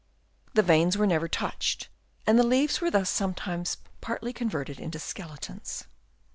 The veins were never touched, and leaves were thus some times partly converted into skeletons.